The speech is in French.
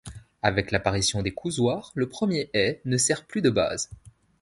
Avec l’apparition des cousoirs, le premier ais ne sert plus de base.